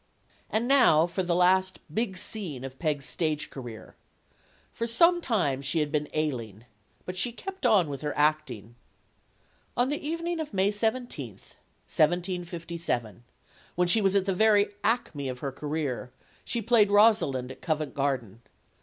And now for the last "big scene of Peg's stage career: For some time she had been ailing. But she kept on with her acting. On the evening of May 17, 1 75 7, when she was 58 STORIES OF THE SUPER WOMEN at the very acme of her career, she played Rosalind at Covent Garden.